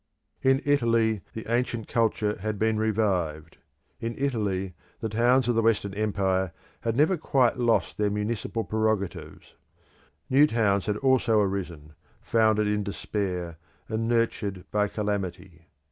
In Italy the ancient culture had been revived. In Italy the towns of the Western Empire had never quite lost their municipal prerogatives. New towns had also arisen, founded in despair and nurtured by calamity.